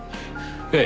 ええ。